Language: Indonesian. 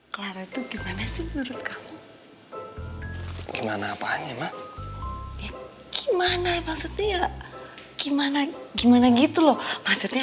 clara itu gimana sih menurut kamu gimana apanya mbak gimana maksudnya ya gimana gimana gitu loh maksudnya